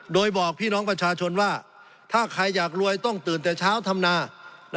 โดยบอกพี่น้องประชาชนว่าถ้าใครอยากรวยต้องตื่นแต่เช้าทำนา